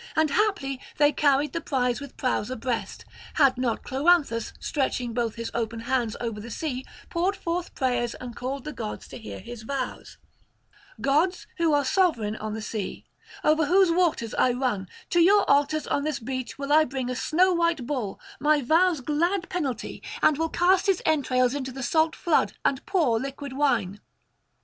And haply they had carried the prize with prows abreast, had not Cloanthus, stretching both his open hands over the sea, poured forth prayers and called the gods to hear his vows: 'Gods who are sovereign on the sea, over whose waters I run, to your altars on this beach will I bring a snow white bull, my vow's glad penalty, and will cast his entrails into the salt flood and pour liquid wine.'